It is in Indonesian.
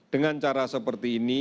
dengan cara seperti ini